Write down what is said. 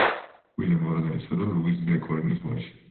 ვილემ ორანელისა და ლუიზ დე კოლინის ვაჟი.